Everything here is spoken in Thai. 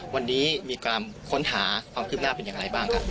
วันนี้มีการค้นหาความคืบหน้าเป็นอย่างไรบ้างครับ